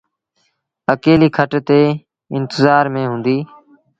اڪيليٚ کٽ تي انتزآر ميݩ هُݩدي۔